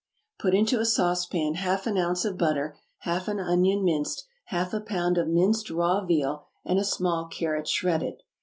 Put into a saucepan half an ounce of butter, half an onion minced, half a pound of minced raw veal, and a small carrot shredded.